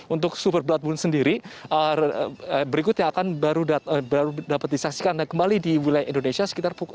untuk super blood moon sendiri berikutnya akan baru dapat disaksikan kembali di wilayah indonesia